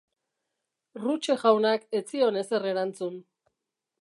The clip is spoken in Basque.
Ruche jaunak ez zion ezer erantzun.